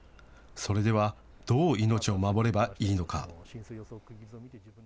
それではどう命を守ればいいのか。